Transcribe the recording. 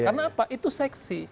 karena apa itu seksi